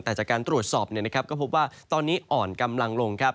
แต่จากการตรวจสอบก็พบว่าตอนนี้อ่อนกำลังลงครับ